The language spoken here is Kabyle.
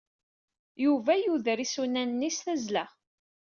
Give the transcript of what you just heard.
Yuba yuder isunan-nni s tazzla.